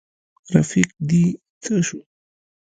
رفیق دي څه شو.